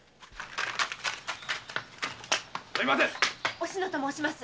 おしのと申します。